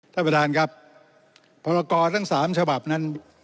ท่านประธานครับพรกรทั้งสามฉบับนั้น